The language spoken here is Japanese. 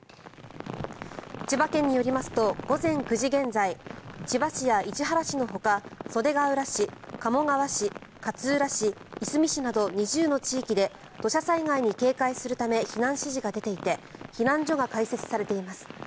千葉県によりますと午前９時現在千葉市や市原市のほか袖ケ浦市、鴨川市勝浦市、いすみ市など２０の地域で土砂災害に警戒するため避難指示が出ていて避難所が開設されています。